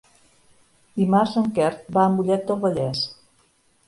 Dimarts en Quer va a Mollet del Vallès.